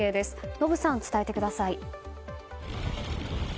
延さん、伝えてください。